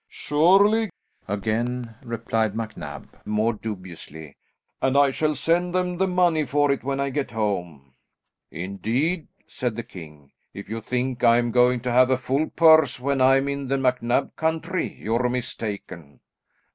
"Surely," again replied MacNab, more dubiously, "and I shall send them the money for it when I get home." "Indeed," said the king, "if you think I am going to have a full purse when I'm in the MacNab country, you're mistaken."